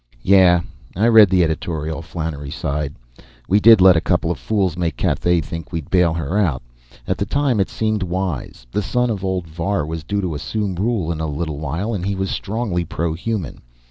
"Yeah, I read the editorial." Flannery sighed. "We did let a couple of fools make Cathay think we'd bail her out. At the time, it seemed wise. The son of old Var was due to assume rule in a little while and he was strongly pro human.